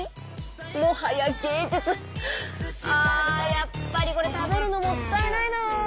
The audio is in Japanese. やっぱりこれ食べるのもったいないな。